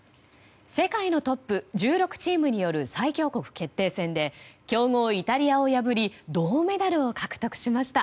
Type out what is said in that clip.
世界のトップ１６チームによる最強国決定戦で強豪イタリアを破り銅メダルを獲得しました。